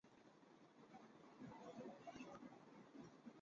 اختيرت لقيادة الفريق.